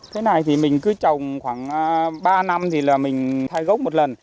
thế này thì mình cứ trồng khoảng ba năm thì là mình thay gốc một lần